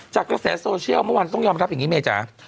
กระแสโซเชียลเมื่อวานต้องยอมรับอย่างนี้เมจ๋า